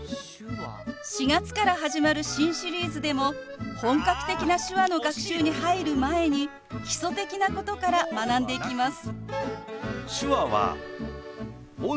４月から始まる新シリーズでも本格的な手話の学習に入る前に基礎的なことから学んでいきます。